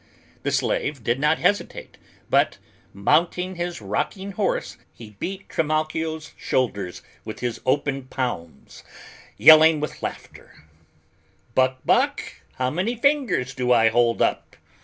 The slave did not hesitate but, mounting his rocking horse, he beat Trimalchio's shoulders with his open palms, yelling with laughter, "Buck! Buck! How many fingers do I hold up!"